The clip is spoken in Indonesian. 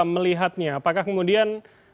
melihatnya apakah kemudian